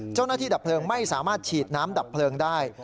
ดับเพลิงไม่สามารถฉีดน้ำดับเพลิงได้